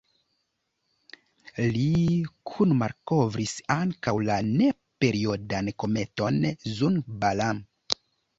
Li kunmalkovris ankaŭ la ne-periodan kometon Zhu-Balam.